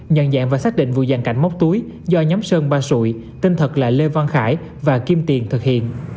nhận dạng và xác định vụ giàn cảnh móc túi do nhóm sơn ba sụi tên thật là lê văn khải và kim tiền thực hiện